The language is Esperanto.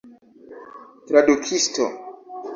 tradukisto